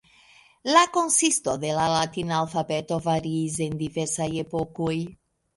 La konsisto de la latina alfabeto variis en diversaj epokoj.